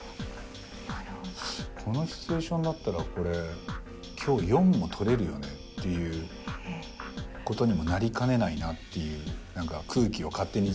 このシチュエーションだったらこれ今日４も撮れるよねっていうことにもなりかねないなっていう空気を勝手に自分が。